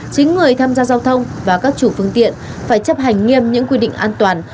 chính người tham gia giao thông và các chủ phương tiện phải chấp hành nghiêm những quy định an toàn